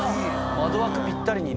窓枠ぴったりにね。